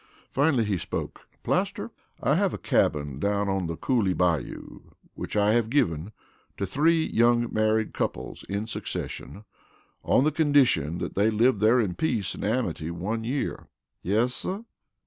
Finally he spoke: "Plaster, I have a cabin down on the Coolie Bayou which I have given to three young married couples in succession on the condition that they live there in peace and amity one year." "Yes, suh."